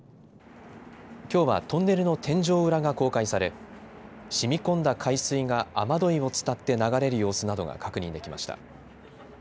きょうはトンネルの天井裏が公開されしみこんだ海水が雨どいを伝って流れる様子などが確認できました。